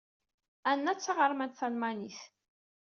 Hannah d taɣermant talmanit.